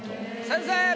先生！